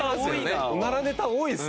オナラネタ多いな。